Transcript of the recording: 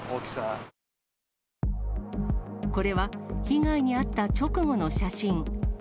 これは、被害に遭った直後の写真。